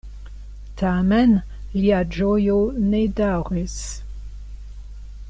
Tamen, lia ĝojo ne daŭris.